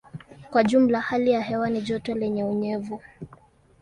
Kwa jumla hali ya hewa ni joto lenye unyevu.